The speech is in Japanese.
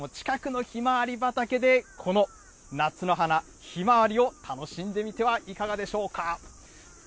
ここに来られないという方も、近くにひまわり畑で、この夏の花、ひまわりを楽しんでみてはいかがでしょうか。